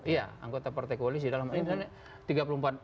iya anggota partai koalisi dalam artian